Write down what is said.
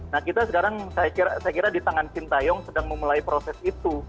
nah kita sekarang saya kira di tangan sintayong sedang memulai proses itu